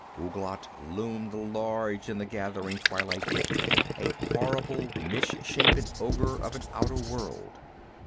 Ouglat loomed large in the gathering twilight, a horrible misshapen ogre of an outer world.